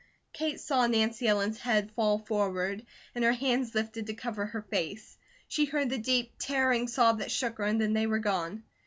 Kate saw Nancy Ellen's head fall forward, and her hands lifted to cover her face. She heard the deep, tearing sob that shook her, and then they were gone.